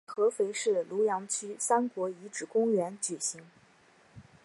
在合肥市庐阳区三国遗址公园举行。